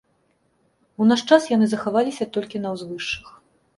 У наш час яны захаваліся толькі на ўзвышшах.